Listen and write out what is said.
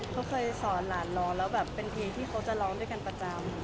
เขาเคยสอนหลานร้องแล้วแบบเป็นเพลงที่เขาจะร้องด้วยกันประจำ